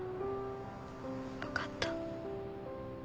分かった。